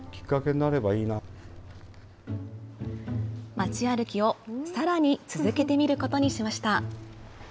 街歩きをさらに続けてみることにしました。